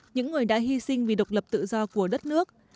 những người đã hy sinh vì độc lập tự do của đất nước